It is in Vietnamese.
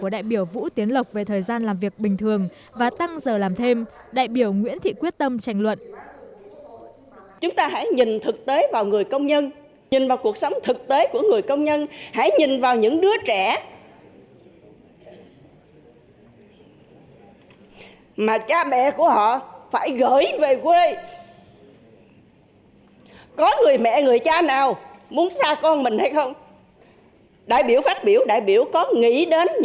đại biểu nguyễn thị quyết tâm trành luận